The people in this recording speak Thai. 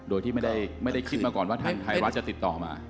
โดยที่ไม่ได้คิดมาก่อนว่าทางไทยรัฐจะติดต่อมา